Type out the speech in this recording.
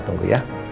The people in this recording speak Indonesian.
papa tunggu ya